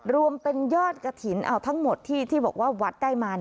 รวมเป็นยอดกฐินทั้งหมดที่ที่บอกว่าวัดได้มา